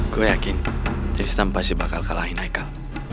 gue yakin tristan pasti bakal kalahin aikal